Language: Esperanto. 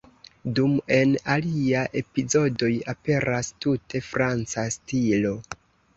Dum en aliaj epizodoj aperas tute franca stilo.